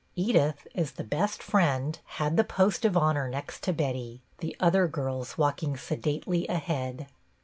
Edith, as the best friend, had the post of honor next to Betty, the other girls walking sedately ahead.